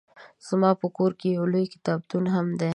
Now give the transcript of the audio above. زما په کور کې يو لوی کتابتون هم دی